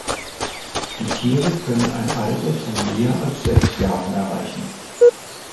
Die Tiere können ein Alter von mehr als sechs Jahren erreichen.